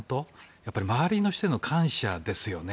やっぱり周りの人への感謝ですよね。